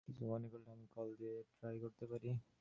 কিছু মনে করলে আমি কল দিয়ে ট্রাই করতে পারি?